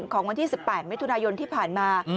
ของวันที่๑๘มิถุนายนที่ผ่านมา